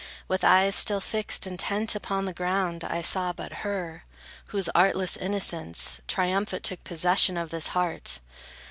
With eyes still fixed intent upon the ground, I saw but her, whose artless innocence, Triumphant took possession of this heart.